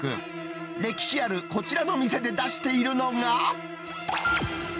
歴史あるこちらの店で出しているのが。